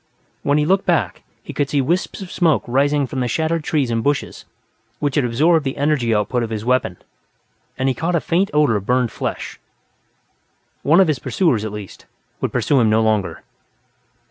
When he looked back, he could see wisps of smoke rising from the shattered trees and bushes which had absorbed the energy output of his weapon, and he caught a faint odor of burned flesh. One of his pursuers, at least, would pursue him no longer.